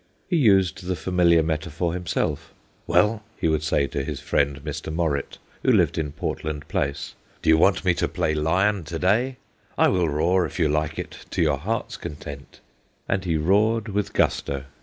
He used the familiar metaphor himself. ' Well/ he would say to his friend, Mr. Morritt, who lived in Portland Place, ' do you want me to play lion to day ? I will roar, if you like it, to your heart's content/ And he roared with gusto.